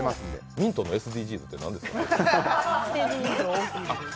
ミントのＳＤＧｓってなんですか？